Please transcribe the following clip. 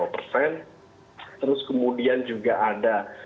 terus kemudian juga ada